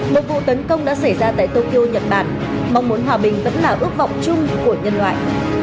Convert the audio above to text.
một vụ tấn công đã xảy ra tại tokyo nhật bản mong muốn hòa bình vẫn là ước vọng chung của nhân loại